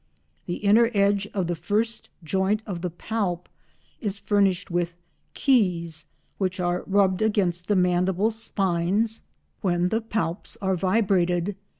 The inner edge of the first joint of the palp is furnished with "keys" which are rubbed against the mandible spines when the palps are vibrated.